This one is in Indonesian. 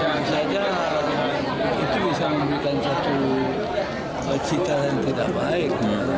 dan jangan saja itu bisa memberikan satu cita yang tidak baik